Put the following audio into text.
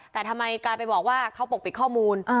แต่ทำไมกลายไปบอกว่าเขาปกปิดข้อมูล